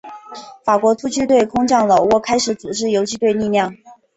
法国突击队空降老挝开始组织游击队力量。